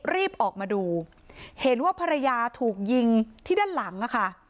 รีบออกมาดูเห็นว่าภรรยาถูกยิงที่ด้านหลังค่ะ